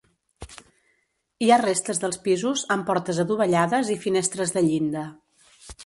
Hi ha restes dels pisos, amb portes adovellades i finestres de llinda.